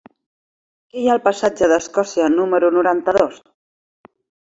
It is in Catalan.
Què hi ha al passatge d'Escòcia número noranta-dos?